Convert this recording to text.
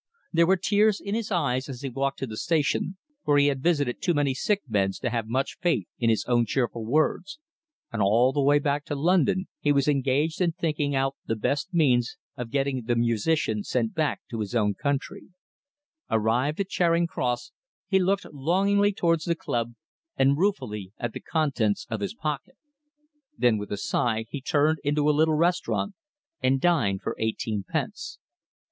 There were tears in his eyes as he walked to the station, for he had visited too many sick beds to have much faith in his own cheerful words, and all the way back to London he was engaged in thinking out the best means of getting the musician sent back to his own country, Arrived at Charing Cross, he looked longingly towards the club, and ruefully at the contents of his pocket. Then with a sigh he turned into a little restaurant and dined for eighteen pence.